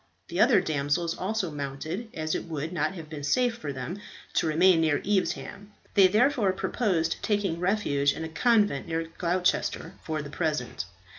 The other damsels also mounted, as it would not have been safe for them to remain near Evesham. They therefore purposed taking refuge in a convent near Gloucester for the present.